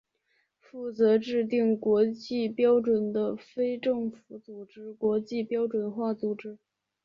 负责制定国际标准的非政府组织国际标准化组织。